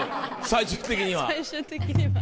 最終的には。